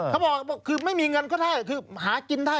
เขาบอกคือไม่มีเงินก็ได้คือหากินได้